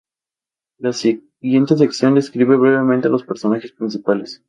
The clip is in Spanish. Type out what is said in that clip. La siguiente sección describe brevemente a los personajes principales.